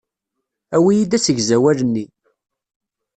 Awi-yi-d asegzawal-nni.